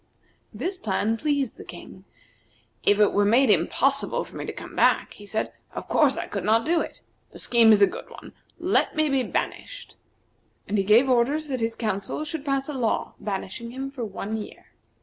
This plan pleased the King. "If it were made impossible for me to come back," he said, "of course I could not do it. The scheme is a good one. Let me be banished." And he gave orders that his council should pass a law banishing him for one year.